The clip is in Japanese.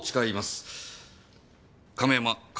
亀山薫。